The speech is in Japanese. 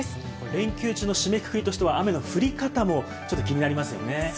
連休中の締めくくりとしては雨の降り方も気になりますね。